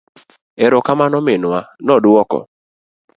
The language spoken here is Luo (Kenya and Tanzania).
Ero kamano minwa, noduoko.